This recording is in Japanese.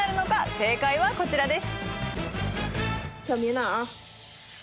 正解はこちらです。